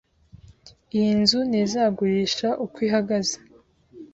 Iyi nzu ntizagurisha uko ihagaze.